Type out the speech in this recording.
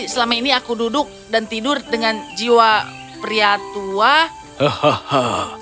selama ini aku duduk dan tidur dengan jiwa pria tua